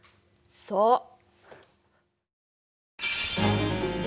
そう！